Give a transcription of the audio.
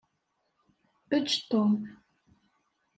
Eǧǧ Tom.